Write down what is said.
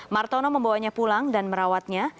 martono membawanya pulang dan merawatnya